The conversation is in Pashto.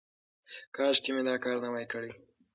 کاشکې مې دا کار نه وای کړی.